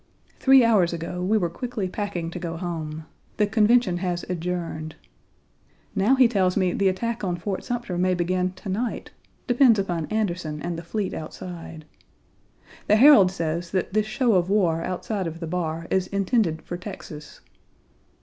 Three hours ago we were quickly packing to go home. The Convention has adjourned. Now he tells me the attack on Fort Sumter may begin to night; depends upon Anderson and the fleet outside. The Herald says that this show of war outside of the bar is intended for Texas.